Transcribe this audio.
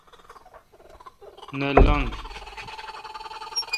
نہ لنگ۔